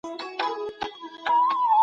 موږ باید خپلې تاریخي سیمې وساتو.